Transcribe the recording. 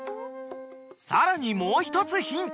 ［さらにもう１つヒント］